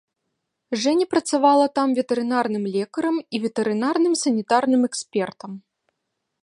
Жэня працавала там ветэрынарным лекарам і ветэрынарным санітарным экспертам.